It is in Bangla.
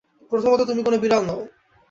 প্রথমত, তুমি কোনো বিড়াল নও।